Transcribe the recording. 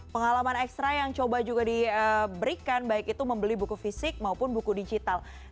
pengalaman ekstra yang coba juga diberikan baik itu membeli buku fisik maupun buku digital